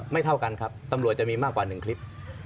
เท่ากันครับตำรวจจะมีมากกว่า๑คลิป